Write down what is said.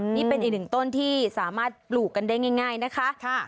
นี่เป็นอีกหนึ่งต้นที่สามารถปลูกกันได้ง่ายนะคะ